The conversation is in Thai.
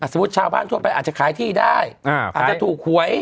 ชาวบ้านทั่วไปอาจจะขายที่ได้อาจจะถูกหวย